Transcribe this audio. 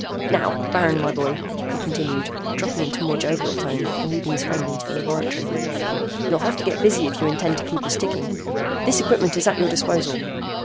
"Now, Baron, my boy," he continued, dropping into a more jovial tone and leading his friend into the laboratory, "you'll have to get busy if you intend to keep us ticking. This equipment is at your disposal."